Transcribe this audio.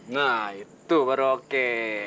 nah itu baru oke